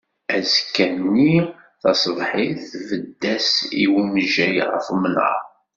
Azekkan-nni tasebḥit tbed-as i wemjay ɣef umnar.